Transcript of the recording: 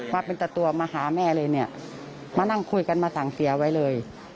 มาเป็นแต่ตัวมาหาแม่เลยเนี่ยมานั่งคุยกันมาสั่งเสียไว้เลย